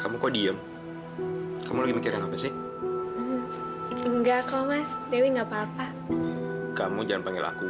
kamu kok diem kamu lagi mikirin apa sih enggak kau mas dewi nggak papa kamu jangan panggil aku